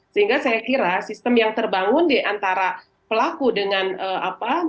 sehingga saya kira sistem yang terbangun diantara pelaku dengan apa